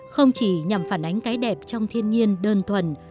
không chỉ nhằm phản ánh cái đẹp trong thiên nhiên đơn thuần